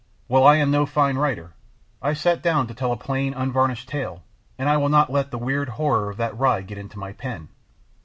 Well, I am no fine writer. I sat down to tell a plain, unvarnished tale, and I will not let the weird horror of that ride get into my pen.